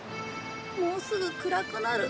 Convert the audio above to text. もうすぐ暗くなる。